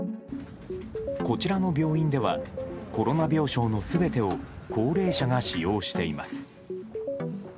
こちらの病院ではコロナ病床の全てを高齢者が使用しています。